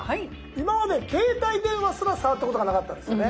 今まで携帯電話すら触ったことがなかったんですよね？